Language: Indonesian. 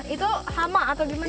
itu hama atau gimana pak